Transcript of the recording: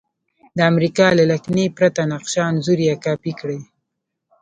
د امریکا له لکنې پرته نقشه انځور یا کاپي کړئ.